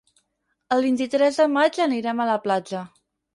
El vint-i-tres de maig anirem a la platja.